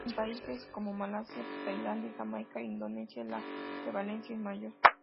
En países como Malasia, Tailandia, Jamaica e Indonesia la prevalencia es mayor.